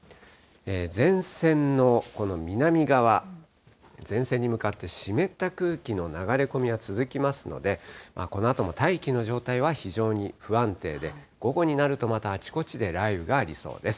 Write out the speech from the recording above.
前線のこの南側、前線に向かって湿った空気の流れ込みは続きますので、このあとも大気の状態は非常に不安定で、午後になると、またあちこちで雷雨がありそうです。